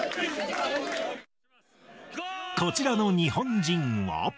こちらの日本人は。